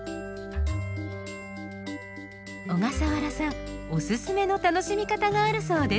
小笠原さんおすすめの楽しみ方があるそうです。